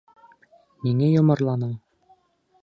Ниңә йомарланың?